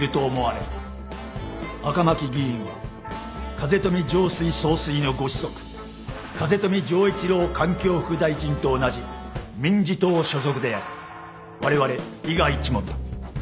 赤巻議員は風富城水総帥のご子息風富城一郎環境副大臣と同じ民事党所属でありわれわれ伊賀一門だ。